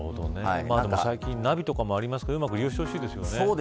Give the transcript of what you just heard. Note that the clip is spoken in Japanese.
最近はナビとかもありますのでうまく利用してほしいです。